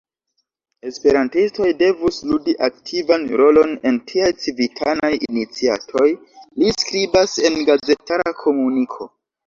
“Esperantistoj devus ludi aktivan rolon en tiaj civitanaj iniciatoj”, li skribas en gazetara komuniko.